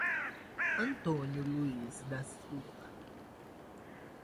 Antônio Luiz da Silva